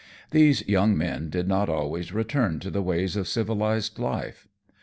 These young men did not always return to the ways of civilized life.